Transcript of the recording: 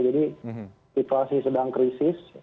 jadi situasi sedang krisis